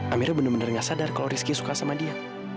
amira bener bener gak sadar kalau rizky suka sama dia